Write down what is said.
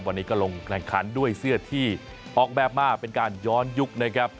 วันนี้ก็ลงแข่งขันด้วยเสื้อที่ออกแบบมาเป็นการย้อนยุคนะครับ